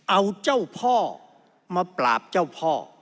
เอาเจ้าพ่อมาปราบเจ้าพ่อ